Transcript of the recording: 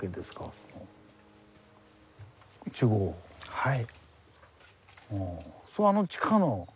はい。